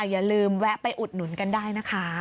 อย่าลืมแวะไปอุดหนุนกันได้นะคะ